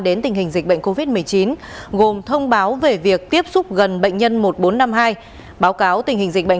do mâu thuẫn nợ nần